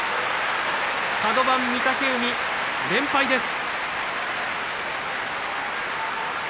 カド番御嶽海、連敗です。